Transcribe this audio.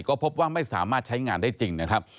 ก็พบว่าไม่สามารถใช้งานได้จริงนะครับ